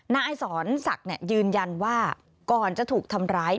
นสสยืนยันว่าก่อนจะถูกทำร้าย